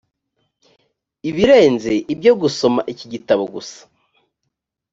ibirenze ibyo gusoma iki gitabo gusa